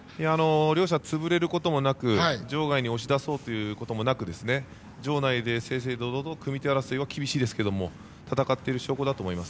両者、潰れることもなく場外に押し出そうというのもなく場内で正々堂々と組み手争い、厳しいですけど戦っている証拠だと思います。